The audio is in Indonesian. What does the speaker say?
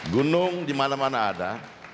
gunung dimana mana ada